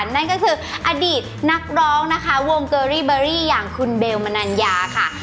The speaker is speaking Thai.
นั่นก็คืออดีตนักร้องนะคะวงเกอรี่เบอรี่อย่างคุณเบลมนัญญาค่ะ